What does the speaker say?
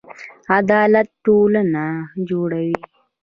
عدالت ټولنه جوړوي